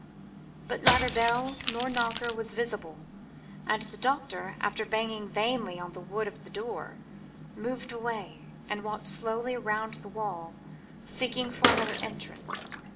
But neither bell nor knocker was visible, and the doctor, after banging vainly on the wood of the door, moved away, and walked slowly round the wall, seeking for another entrance.